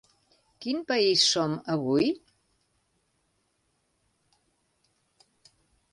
Quin país som avui?